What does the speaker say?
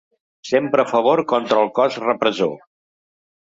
Sempre a favor contra el cos repressor.